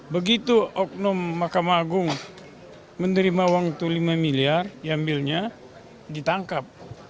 begitu oknum mahkamah agung menerima uang itu lima miliar diambilnya ditangkap